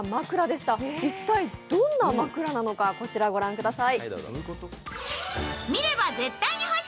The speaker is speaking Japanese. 一体どんな枕なのか、こちらを御覧ください。